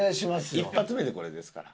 一発目でこれですから。